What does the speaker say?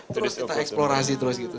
terus kita eksplorasi terus gitu